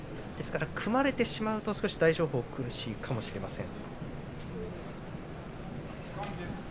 ですから組まれてしまうと大翔鵬、苦しいかもしれません。